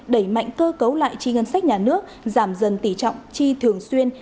đẩy mạnh cơ cấu lại chi ngân sách nhà nước giảm dần tỉ trọng chi thường xuyên